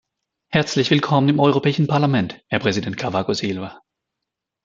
Herzlich willkommen im Europäischen Parlament, Herr Präsident Cavaco Silva.